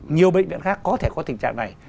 nhiều bệnh viện khác có thể có tình trạng này